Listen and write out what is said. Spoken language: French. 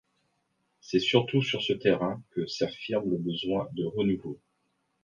C’est surtout sur ce terrain que s’affirme le besoin de renouveau.